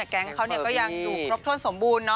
แก๊งเขาก็ยังอยู่รบโทษสมบูรณ์